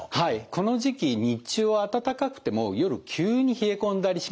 この時期日中は暖かくても夜急に冷え込んだりしますよね。